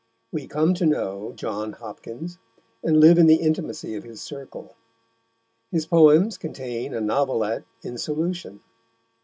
We come to know John Hopkins, and live in the intimacy of his circle. His poems contain a novelette in solution.